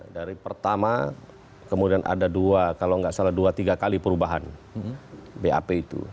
dari pertama kemudian ada dua kalau nggak salah dua tiga kali perubahan bap itu